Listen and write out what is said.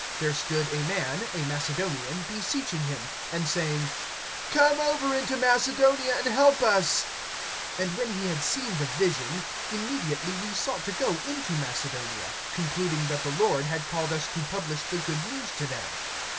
There stood a man, a Macedonian, beseeching him, and saying: Come over into Macedonia and help us. (10)And when he had seen the vision, immediately we sought to go into Macedonia, concluding that the Lord had called us to publish the good news to them.